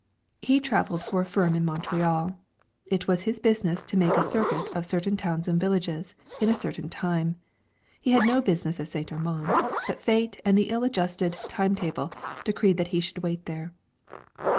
He travelled for a firm in Montreal; it was his business to make a circuit of certain towns and villages in a certain time. He had no business at St. Armand, but fate and the ill adjusted time table decreed that he should wait there.